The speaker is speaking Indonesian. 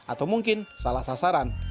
atau mungkin salah sasaran